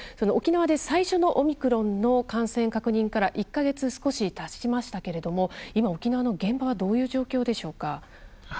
沖縄で最初のオミクロンの感染確認から１か月少したちましたけれども今、沖縄の現場はどういう状況でしょうか？